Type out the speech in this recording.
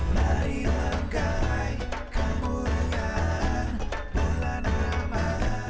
marilah kemuliaan bulan ramadhan